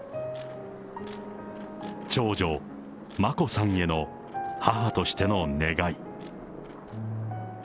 長女、眞子さんへの母としての願い。